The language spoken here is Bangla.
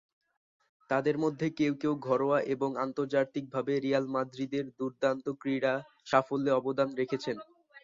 তাদের মধ্যে কেউ কেউ ঘরোয়া এবং আন্তর্জাতিকভাবে রিয়াল মাদ্রিদের দুর্দান্ত ক্রীড়া সাফল্যে অবদান রেখেছেন।